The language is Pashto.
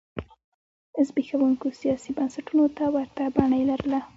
زبېښونکو سیاسي بنسټونو ته ورته بڼه یې لرله.